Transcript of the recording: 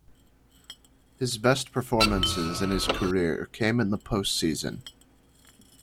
His best performances in his career came in the postseason.